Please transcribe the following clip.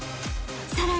［さらに］